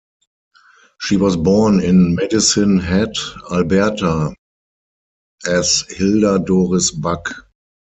She was born in Medicine Hat, Alberta as Hilda Doris Buck.